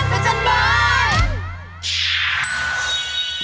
แม่บ้านก็จัดบ้าน